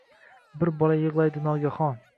Bir bola yig’laydi nogahon…